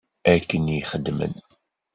Akken i xedmen.